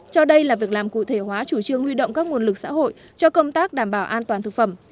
cho đây là việc làm cụ thể hóa chủ trương huy động các nguồn lực xã hội cho công tác đảm bảo an toàn thực phẩm